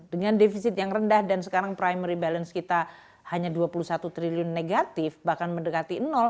dengan defisit yang rendah dan sekarang primary balance kita hanya dua puluh satu triliun negatif bahkan mendekati